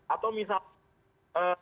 atau misalnya di misi pengamanan gitu